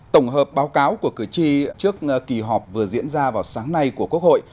tổng hợp báo cáo của cử tri trước kỳ họp vừa diễn ra vào sáng nay của quốc hội